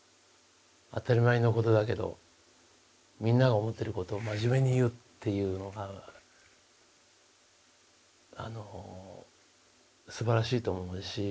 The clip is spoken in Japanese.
当たり前のことだけどみんなが思ってることを真面目に言うっていうのがあのすばらしいと思いますし。